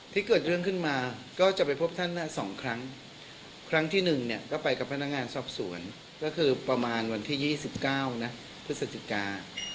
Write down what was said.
ที่เกิดเรื่องขึ้นมาก็จะไปพบท่าน๒ครั้งครั้งที่๑เนี่ยก็ไปกับพนักงานสอบสวนก็คือประมาณวันที่๒๙นะพฤศจิกา